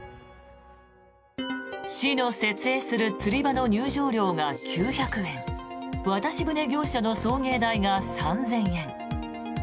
市の設営する釣り場の入場料が９００円渡し船業者の送迎代が３０００円。